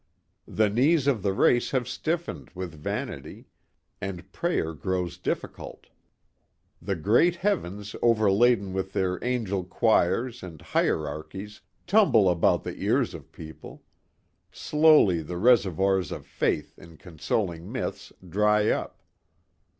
The knees of the race have stiffened with vanity and prayer grows difficult. The great Heavens overladen with their angel choirs and hierarchies tumble about the ears of people. Slowly the reservoirs of faith in consoling myths dry up.